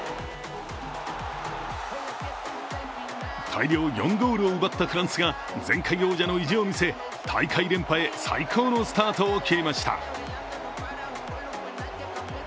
大量４ゴールを奪ったフランスが前回王者の意地を見せ大会連覇へ最高のスタートを切りました。